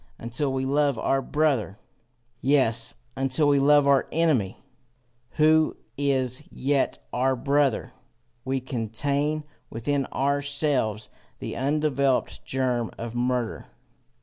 Until we love our brother, yes, until we love our enemy, who is yet our brother, we contain within ourselves the undeveloped germ of murder.